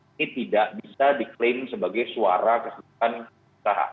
ini tidak bisa diklaim sebagai suara keseluruhan usaha